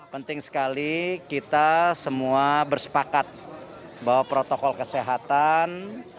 penting sekali kita semua bersepakat bahwa protokol kesehatan